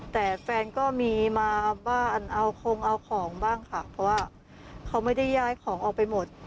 แต่แฟนก็มีมาบ้านเอาคงเอาของบ้างค่ะเพราะว่าเขาไม่ได้ย้ายของออกไปหมด